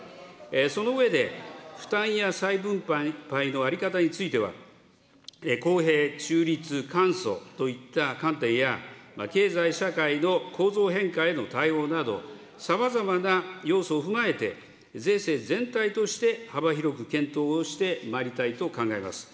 その上で、負担や再分配の在り方については、公平、中立、簡素といった観点や、経済社会の構造変化への対応など、さまざまな要素を踏まえて、税制全体として幅広く検討をしてまいりたいと考えます。